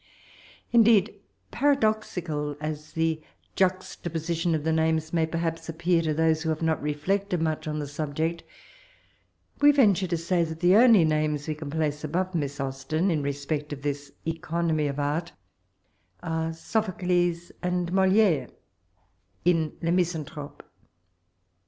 Indeed, para oxical as the jaxtaposition of the names may perhaps appear to those who have not reflected mnch on this subject, we venture to say that the only names we can place above Miss Austen, in respect of this economy of art, are Sophocles and MoliSre (in Le Miianthrope).